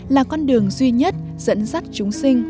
là con đường duy nhất dẫn dắt chúng sinh